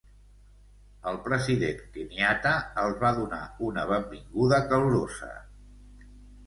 El president Kenyatta els va donar una benvinguda calorosa.